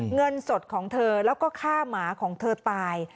เงินสดของเธอแล้วก็ฆ่าหมาของเธอตาย